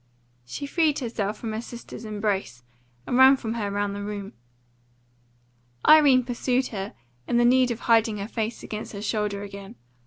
She freed herself from her sister's embrace, and ran from her round the room. Irene pursued her, in the need of hiding her face against her shoulder again.